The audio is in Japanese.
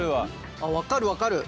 あっ分かる分かる！